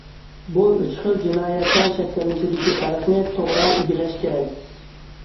بۇ ئۈچ خىل جىنايەتنىڭ شەكىللىنىشىدىكى پەرقنى توغرا ئىگىلەش كېرەك.